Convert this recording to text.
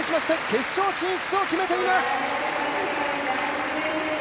決勝進出を決めています。